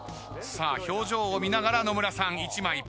表情を見ながら野村さん１枚。